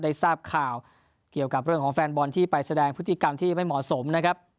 ทราบข่าวเกี่ยวกับเรื่องของแฟนบอลที่ไปแสดงพฤติกรรมที่ไม่เหมาะสมนะครับ